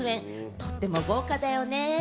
とっても豪華だよね。